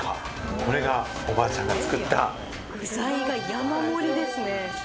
これがおばあちゃんが具材が山盛りですね。